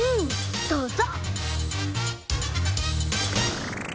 どうぞ！